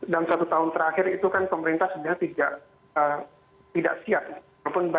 dalam satu tahun terakhir itu kan pemerintah sebenarnya tidak siap